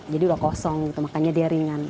jadi sudah kosong makanya dia ringan